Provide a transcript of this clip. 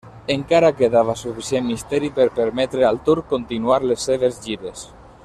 Encara quedava suficient misteri per permetre al Turc continuar les seves gires.